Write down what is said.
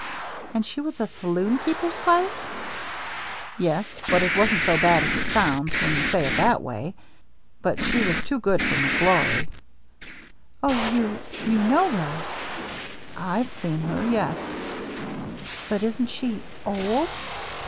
" And she was a saloon keeper's wife ?" "Yes, — but it wasn't so bad as it sounds when you say it that way. She was too good for McGlory." 414 THE MERRY ANNE " Oh, you — you know her ?"" I've seen her, yes." "But isn't she — old?"